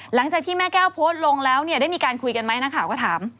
หลังจากที่แม่แก้วโพสต์ลงแล้วเนี่ยได้มีการคุยกันไหมนักข่าวก็ถาม